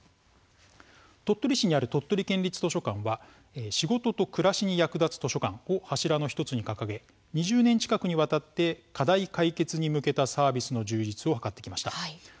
鳥取市にある鳥取県立図書館は仕事と暮らしに役立つ図書館を柱の１つに掲げ２０年近くにわたって課題解決に向けたサービスの充実を図ってきました。